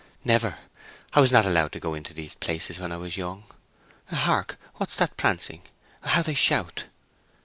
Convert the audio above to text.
"Never. I was not allowed to go into these places when I was young. Hark! What's that prancing? How they shout!"